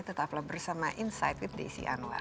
tetaplah bersama insight with desi anwar